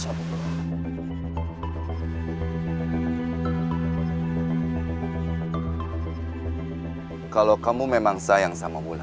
siap siap deh gue